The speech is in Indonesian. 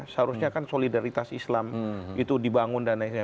seharusnya kan solidaritas islam itu dibangun dan lain lain